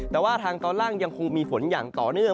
แต่ว่าทางตอนล่างยังคงมีฝนอย่างต่อเนื่อง